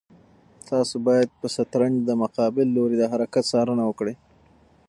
تاسو باید په شطرنج کې د مقابل لوري د هر حرکت څارنه وکړئ.